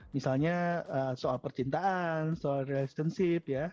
misalnya soal percintaan soal relationship ya